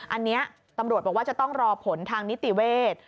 อันนี้ตำรวจบอกว่าจะต้องรอผลทางนิติเวทย์